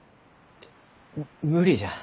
無理じゃ。